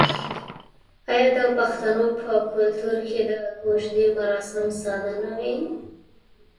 آیا د پښتنو په کلتور کې د کوژدې مراسم ساده نه وي؟